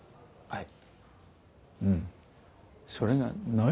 はい。